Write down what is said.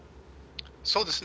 そうですね。